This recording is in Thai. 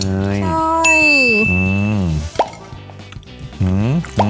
หืมหืมหืม